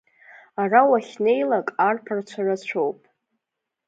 Ара уахьнеилак арԥарцәа рацәоуп.